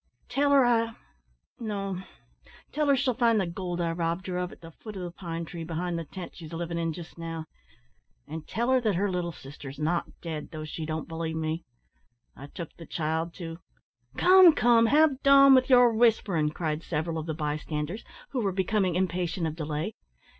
Tell her I no, tell her she'll find the gold I robbed her of at the foot o' the pine tree behind the tent she's livin' in jist now. An' tell her that her little sister's not dead, though she don't believe me. I took the child to " "Come, come, ha' done wi' yer whisperin'," cried several of the bystanders, who were becoming impatient of delay.